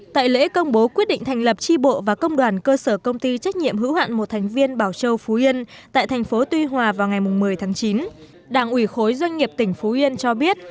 tại lễ công bố quyết định thành lập tri bộ và công đoàn cơ sở công ty trách nhiệm hữu hạn một thành viên bảo châu phú yên tại thành phố tuy hòa vào ngày một mươi tháng chín đảng ủy khối doanh nghiệp tỉnh phú yên cho biết